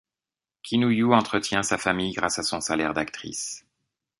Kinuyo entretient sa famille grâce à son salaire d'actrice.